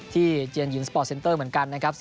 เจียนหญิงสปอร์ตเซนเตอร์เหมือนกันนะครับ